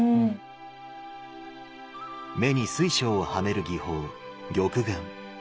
目に水晶をはめる技法「玉眼」。